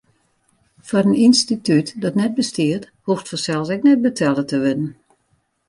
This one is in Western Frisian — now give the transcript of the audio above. Foar in ynstitút dat net bestiet, hoecht fansels ek net betelle te wurden.